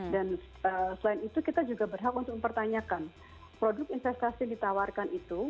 dan selain itu kita juga berhak untuk mempertanyakan produk investasi ditawarkan ini